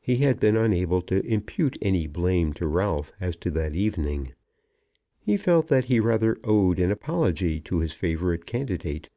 He had been unable to impute any blame to Ralph as to that evening. He felt that he rather owed an apology to his favourite candidate.